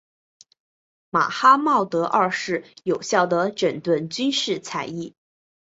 马哈茂德二世有效地整顿军事采邑。